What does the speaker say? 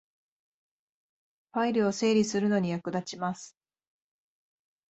ファイルを整理するのに役立ちます